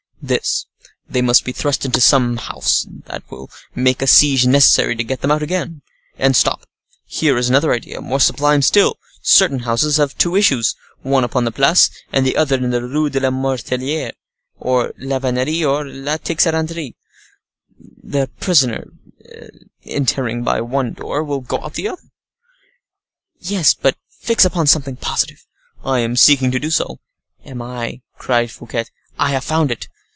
"This: they must be thrust into some house—that will make a siege necessary to get them out again. And stop! here is another idea, more sublime still: certain houses have two issues—one upon the Place, and the other into the Rue de la Mortellerie, or la Vannerie, or la Tixeranderie. The prisoners entering by one door will go out at another." "Yes; but fix upon something positive." "I am seeking to do so." "And I," cried Fouquet, "I have found it.